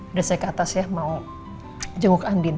udah saya ke atas ya mau jenguk andin